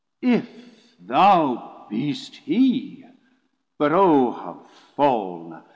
If thou beest he; But O how fall'n!